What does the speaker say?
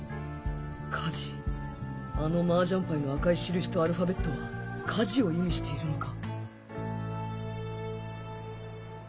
火事あのマージャンパイの赤い印とアルファベットは火事を意味しているのか？